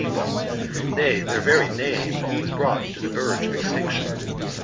with clem pcoplc, nay their very name, was brought to the verge of extinction.